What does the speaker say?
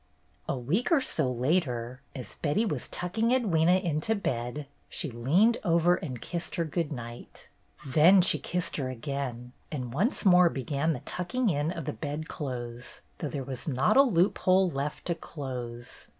A week or so later, as Betty was tucking Edwyna into bed, she leaned over and kissed 20 3o6 BETTY BAIRD^S GOLDEN YEAR her good night. Then she kissed her again, and once more began the tucking in of the bedclothes, though there was not a loophole left to close.